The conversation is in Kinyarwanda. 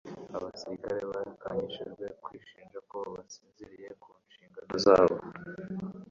Abasirikari bakangishijwe kwishinja ko basinziriye ku nshingano zabo.